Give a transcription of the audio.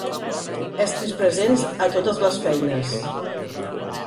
Estris presents a totes les feines.